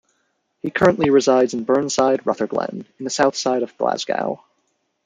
He currently resides in Burnside, Rutherglen, in the South Side of Glasgow.